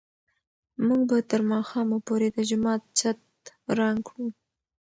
موږ به تر ماښامه پورې د جومات چت رنګ کړو.